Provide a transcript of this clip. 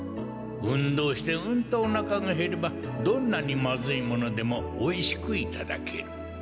運動してうんとおなかがへればどんなにまずいものでもおいしくいただける。